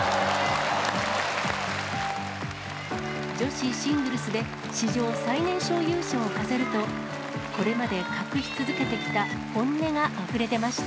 女子シングルスで、史上最年少優勝を飾ると、これまで隠し続けてきた本音があふれ出ました。